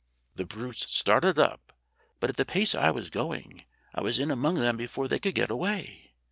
The brutes started up, but at the pace I was going I was in among them before they could get away.